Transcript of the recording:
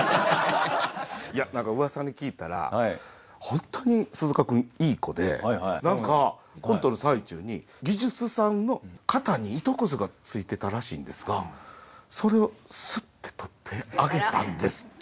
何かうわさに聞いたら本当に鈴鹿君いい子で何かコントの最中に技術さんの肩に糸くずがついてたらしいんですがそれをスッて取ってあげたんですって。